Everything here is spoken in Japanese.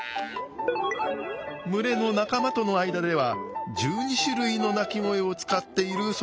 群れの仲間との間では１２種類の鳴き声を使っているそうなんです。